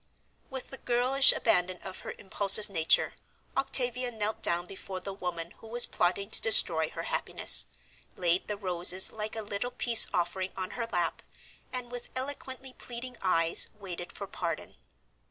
With the girlish abandon of her impulsive nature Octavia knelt down before the woman who was plotting to destroy her happiness, laid the roses like a little peace offering on her lap, and with eloquently pleading eyes waited for pardon.